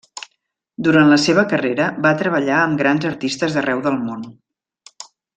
Durant la seva carrera va treballar amb grans artistes d'arreu del món.